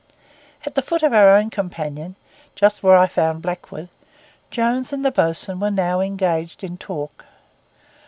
At the foot of our own companion, just where I found Blackwood, Jones and the bo's'un were now engaged in talk.